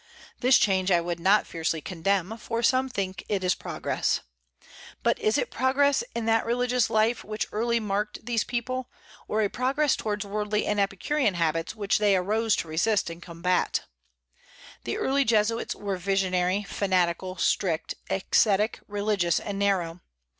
This change I would not fiercely condemn, for some think it is progress. But is it progress in that religious life which early marked these people; or a progress towards worldly and epicurean habits which they arose to resist and combat? The early Jesuits were visionary, fanatical, strict, ascetic, religious, and narrow.